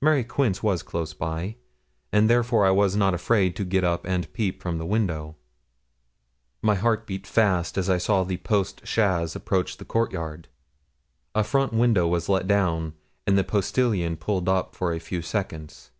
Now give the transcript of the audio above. Mary Quince was close by, and therefore I was not afraid to get up and peep from the window. My heart beat fast as I saw a post chaise approach the court yard. A front window was let down, and the postilion pulled up for a few seconds.